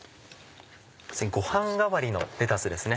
ご飯代わりのレタスですね。